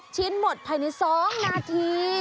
ชิ้นหมดภายใน๒นาที